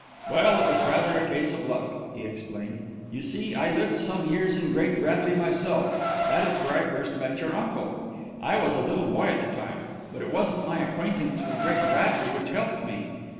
"Well, it was rather a case of luck," he explained. "You see, I lived some years in Great Bradley myself; that is where I first met your uncle. I was a little boy at the time. But it wasn't my acquaintance with Great Bradley which helped me.